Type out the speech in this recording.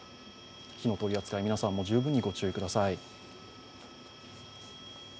火の取り扱い、皆さんも十分にお気をつけください。